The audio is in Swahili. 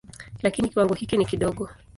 Lakini kiwango hiki ni kidogo.